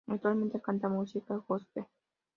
Actualmente canta música Gospel.